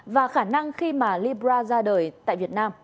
và khả năng khi mà libra ra đời tại việt nam